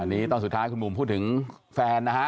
นี่ตอนสุดท้ายคุณบุ๋มพูดถึงแฟนนะฮะ